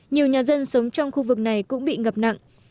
nhiều nhà dân sống trong khu vực này cũng bị ngập nặng